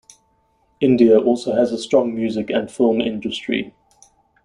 India also has a strong music and film industry.